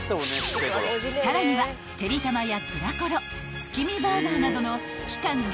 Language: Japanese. ［さらにはてりたまやグラコロ月見バーガーなどの］